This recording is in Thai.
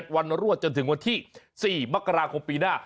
วันรวดจนถึงวันที่๔มกราคมปีหน้า